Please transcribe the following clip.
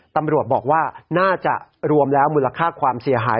ตำรวจบอกว่าน่าจะรวมแล้วมูลค่าความเสียหาย